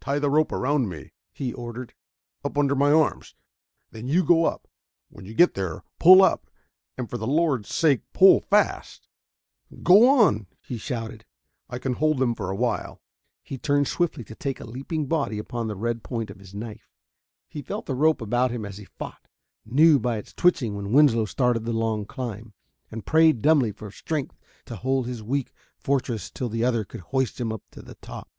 "Tie the rope around me," he ordered, "up under my arms ... then you go on up. When you get there pull up and for the Lord's sake pull fast!" "Go on," he shouted. "I can hold them for a while " He turned swiftly to take a leaping body upon the red point of his knife. He felt the rope about him as he fought, knew by its twitching when Winslow started the long climb, and prayed dumbly for strength to hold his weak fortress till the other could hoist himself up to the top.